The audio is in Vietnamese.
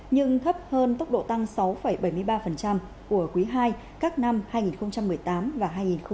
nhưng thấp hơn tốc độ tăng sáu bảy mươi ba của quý ii các năm hai nghìn một mươi tám và hai nghìn một mươi tám